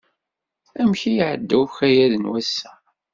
Amek ay iɛedda ukayad n wass-a?